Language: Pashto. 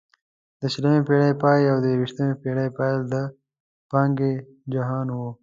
د شلمې پېړۍ پای او د یوویشتمې پېړۍ پیل د پانګې جهان وو.